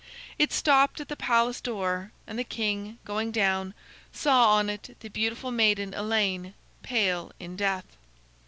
It stopped at the palace door, and the king, going down, saw on it the beautiful maiden Elaine, pale in death.